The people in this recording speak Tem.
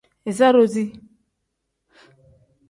Iza doozi.